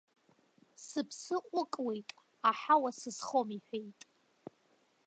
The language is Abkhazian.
Сыԥсы ҟәыкуеит, аҳауа сызхом иҳәеит.